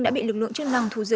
đã bị lực lượng chức năng thù giữ